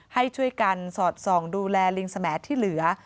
ให้ช่วยกันสอดส่องดูแลลิงสมที่เหลือ